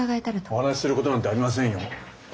お話しすることなんてありませんよ。